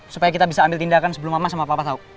supaya kita bisa ambil tindakan sebelum mama sama papa tahu